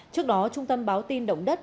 trước đó trung tâm báo tin động đất